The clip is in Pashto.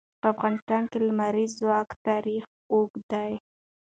په افغانستان کې د لمریز ځواک تاریخ اوږد دی.